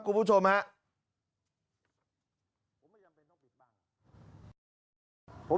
คุณผู้ชมครับ